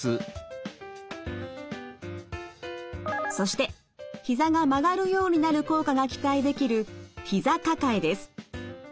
そしてひざが曲がるようになる効果が期待できるひざ抱えです。